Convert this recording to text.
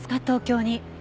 東京に。